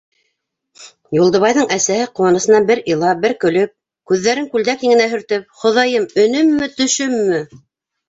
Юлдыбайҙың әсәһе, ҡыуанысынан бер илап, бер көлөп, күҙҙәрен күлдәк еңенә һөртөп: - Хоҙайым, өнөммө, төшөммө!